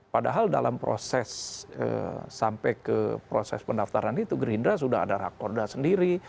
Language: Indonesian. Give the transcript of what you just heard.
padahal dalam proses sampai ke proses pendaftaran itu gerindra sudah ada rakorda sendiri